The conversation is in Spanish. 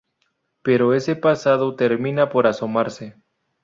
Pero ese pasado termina por asomarse.